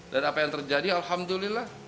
dan apa yang terjadi alhamdulillah